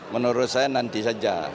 menurut saya nanti saja